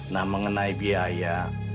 nah mengenai biaya